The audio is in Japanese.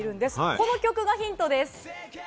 この曲がヒントです。